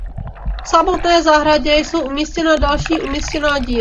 V samotné zahradě jsou umístěna další umělecká díla.